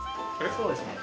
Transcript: そうですね。